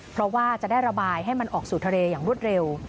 เพราะว่าจะได้ระบายให้มันออกสู่ทะเลอย่างรวดเร็ว